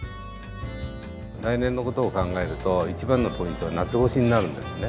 来年の事を考えると一番のポイントは夏越しになるんですね。